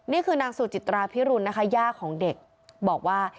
นี่คือนางสุจิตราพิรุณนะคะย่าของเด็กบอกว่า